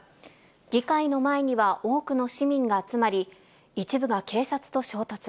議会の前には多くの市民が集まり、一部が警察と衝突。